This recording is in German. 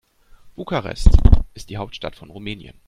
Bukarest ist die Hauptstadt von Rumänien.